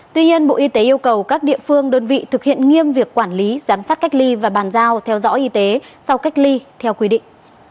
tuy nhiên bộ y tế yêu cầu các địa phương đơn vị thực hiện nghiêm việc quản lý giám sát cách ly và bàn giao theo dõi y tế sau cách ly theo quy định